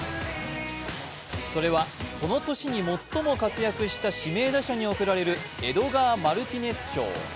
それは、その年に最も活躍した指名打者に贈られるエドガー・マルティネス賞。